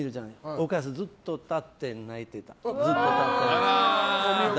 お母さんずっと立って泣いてた。